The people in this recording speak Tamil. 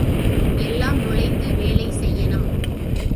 எல்லாம் நுழைந்து வேலை செய்யனும்.